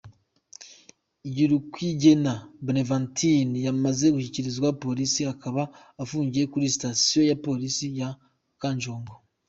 Igirukwigena Bonaventure yamaze gushyikirizwa Polisi akaba afungiwe kuri Sitasiyo ya Polisi ya Kanjongo.